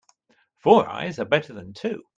Four eyes are better than two.